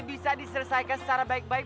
bisa diselesaikan secara baik baik